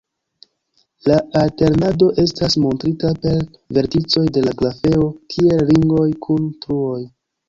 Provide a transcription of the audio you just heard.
La alternado estas montrita per verticoj de la grafeo kiel ringoj kun truoj.